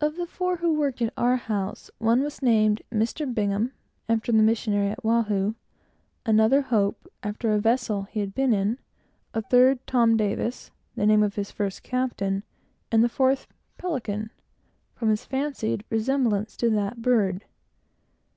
Of the four who worked at our house one was named "Mr. Bingham," after the missionary at Oahu; another, Hope, after a vessel that he had been in; a third, Tom Davis, the name of his first captain; and the fourth, Pelican, from his fancied resemblance to that bird.